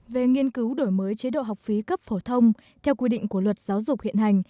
về nghiên cứu đổi mới chế độ học phí cấp phổ thông theo quy định của luật giáo dục hiện hành